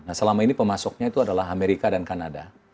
nah selama ini pemasoknya itu adalah amerika dan kanada